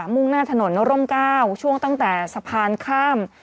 มุ่งหน้าถนนนร่ม๙ช่วงตั้งแต่สะพานข้าม